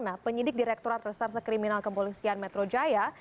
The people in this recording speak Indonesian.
nah penyidik direkturat reserse kriminal kepolisian metro jaya